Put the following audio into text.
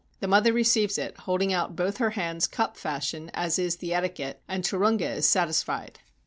The mother receives it, holding out both her hands cup fashion as is the etiquette, and Turunga is satisfied.